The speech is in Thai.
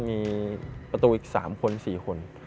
มีประตูอีก๓คน๔คน